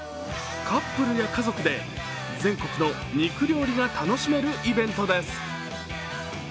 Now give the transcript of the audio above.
カップルや家族で全国の肉料理が楽しめるイベントです。